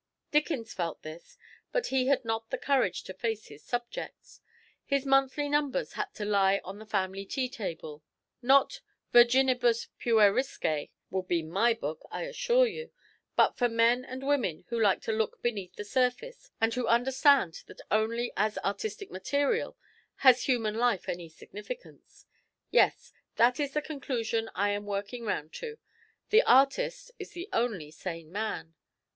Dickens felt this, but he had not the courage to face his subjects; his monthly numbers had to lie on the family tea table. Not virginibus puerisque will be my book, I assure you, but for men and women who like to look beneath the surface, and who understand that only as artistic material has human life any significance. Yes, that is the conclusion I am working round to. The artist is the only sane man.